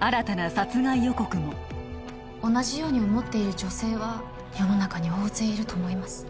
新たな殺害予告も同じように思っている女性は世の中に大勢いると思います